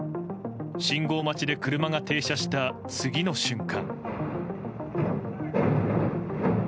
信号待ちで車が停車した次の瞬間。